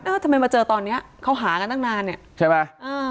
ทำไมมาเจอตอนเนี้ยเขาหากันตั้งนานเนี่ยใช่ไหมอ่า